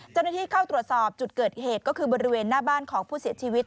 เจ้าหน้าที่เข้าตรวจสอบจุดเกิดเหตุก็คือบริเวณหน้าบ้านของผู้เสียชีวิต